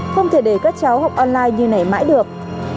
không thể để các cháu học online như này mãi được